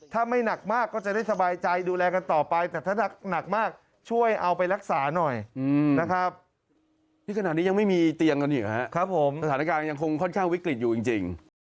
ถ้าไม่หนักมากก็จะได้สบายใจดูแลกันต่อไป